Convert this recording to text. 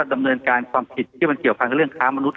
และดำเนินการความผิดเคียงกับเรื่องคราวมนุษย์